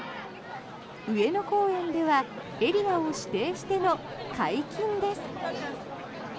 上野公園ではエリアを指定しての解禁です。